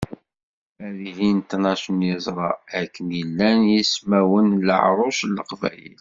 Ad ilin tnac n yeẓra, akken i llan yismawen n leɛruc n leqbayel.